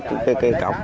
cúc cái cọc